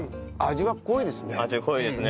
味が濃いですね。